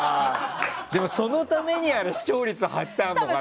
そのために視聴率貼ってあるのかな？